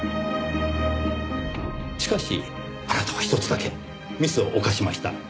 しかしあなたは一つだけミスを犯しました。